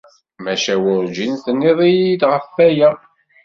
Maca werjin tenniḍ-iyi-d ɣef waya!